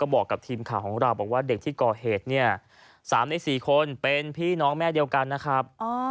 บอกกับทีมข่าวของเราบอกว่าเด็กที่ก่อเหตุเนี่ย๓ใน๔คนเป็นพี่น้องแม่เดียวกันนะครับ